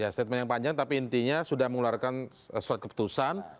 statement yang panjang tapi intinya sudah mengeluarkan surat keputusan